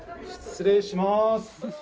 失礼します。